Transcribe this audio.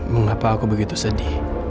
mengapa aku begitu sedih